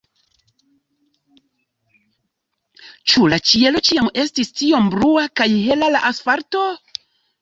Ĉu la ĉielo ĉiam estis tiom blua, kaj hela la asfalto?